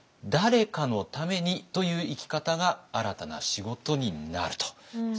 誰かのためにという生き方が新たな仕事になると。